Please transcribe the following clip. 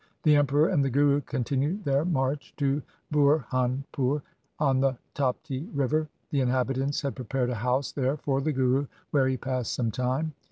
The Emperor and the Guru continued their march to Burhanpur on the Tapti river. The inhabitants had prepared a house there for the Guru, where he passed some time.